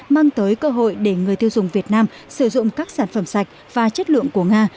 mang tới cơ hội để người tiêu dùng việt nam sử dụng các sản phẩm sạch và chất lượng của nga